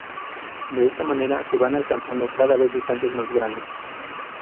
De esta manera se van alcanzando cada vez distancias más grandes.